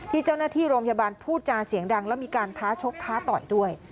ที่เจ้าหน้าที่โรงพยาบาลพูดจาเสียงดังแล้วมีการท้าชกท้าต่อยด้วย